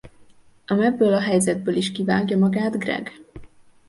Ám ebből a helyzetből is kivágja magát Greg.